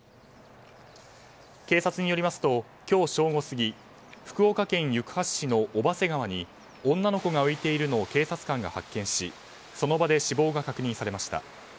警察によりますと今日正午過ぎ福岡県行橋市の小波瀬川に女の子が浮いているのを警察官が発見しその場で死亡が確認されました。